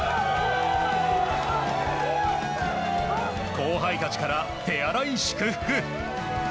後輩たちから手荒い祝福。